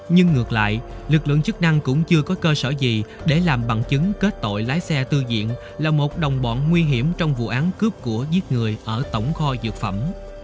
nhưng ngược lại lực lượng chức năng cũng chưa có cơ sở gì để làm bằng chứng kết tội lái xe tư diện là một đồng bọn nguy hiểm trong vụ án cướp của giết người ở tổng kho dược phẩm